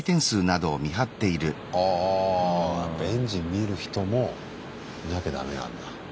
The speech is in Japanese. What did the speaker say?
あぁやっぱエンジン見る人もいなきゃダメなんだ。